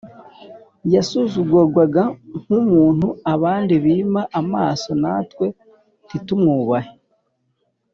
yasuzugurwaga nk’umuntu abandi bima amaso natwe ntitumwubahe’